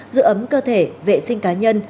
giữ ấm cơ thể vệ sinh cá nhân